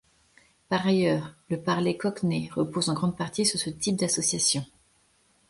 Par ailleurs, le parler cockney repose en grande-partie sur ce type d'associations.